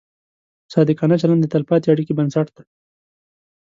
صادقانه چلند د تلپاتې اړیکې بنسټ دی.